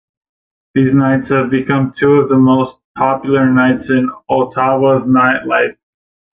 These nights have become two of the most popular nights in Ottawa's nightlife.